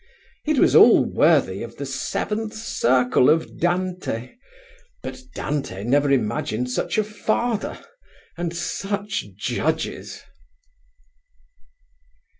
It was all worthy of the seventh circle of Dante, but Dante had never imagined such a father and such judges!